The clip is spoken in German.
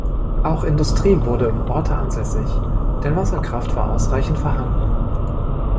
Auch Industrie wurde im Orte ansässig, denn Wasserkraft war ausreichend vorhanden.